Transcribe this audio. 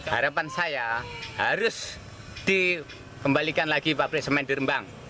harapan saya harus dikembalikan lagi pabrik semen di rembang